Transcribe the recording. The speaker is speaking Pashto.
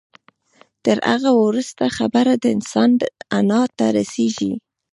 تر هغه وروسته خبره د انسان انا ته رسېږي.